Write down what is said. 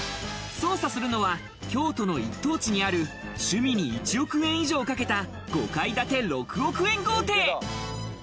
捜査するのは京都の一等地にある趣味に１億円以上かけた、５階建て６億円豪邸。